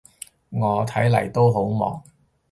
我嚟緊都好忙